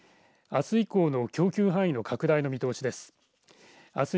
あす以降の供給範囲の拡大の見通しです。